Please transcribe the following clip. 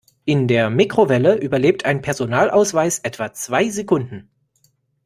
In der Mikrowelle überlebt ein Personalausweis etwa zwei Sekunden.